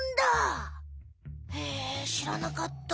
へえ知らなかった。